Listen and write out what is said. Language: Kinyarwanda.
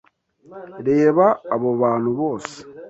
Reba abo bantu bose.